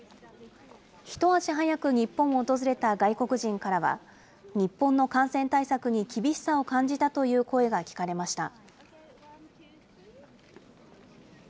一足早く日本を訪れた外国人からは、日本の感染対策に厳しさを感じたという声が聞かれました。